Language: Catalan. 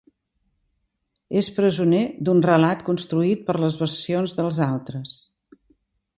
És presoner d'un relat construït per les versions dels altres.